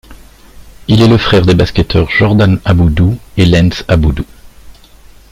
Il est le frère des basketteurs Jordan Aboudou et Lens Aboudou.